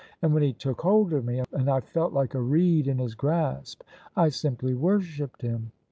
And when he took hold of me, and I felt like a reed in his grasp, I simply worshipped him.